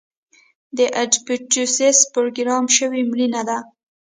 د اپوپټوسس پروګرام شوې مړینه ده.